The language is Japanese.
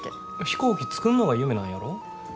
飛行機作んのが夢なんやろ？